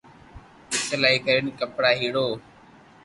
سلائي ڪرين ڪپڙا ھيڙوو